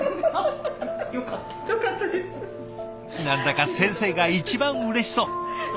何だか先生が一番うれしそう。